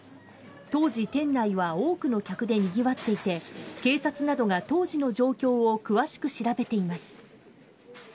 当時、店内は多くの客でにぎわっていて警察などが当時の状況を詳しく調べています。